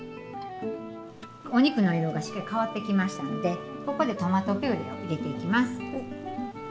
お肉の色がしっかり変わってきましたのでここでトマトピュレを入れていきます。